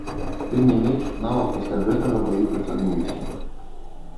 Тым не менш, нават пасля гэтага баі працягнуліся.